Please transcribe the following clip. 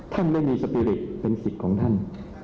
ท่านไม่มีสปีริตเป็นสิทธิ์ของท่าน